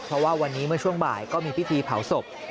เพราะว่าวันนี้เมื่อช่วงบ่ายก็มีพิธีเผาศพ